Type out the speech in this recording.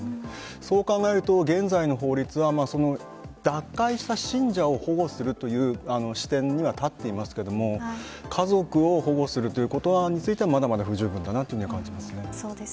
そう考えると、現在の法律は脱会した信者を保護するという視点には立っていますが家族を保護することについてはまだまだ不十分だなと思います。